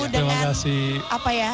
dengan apa ya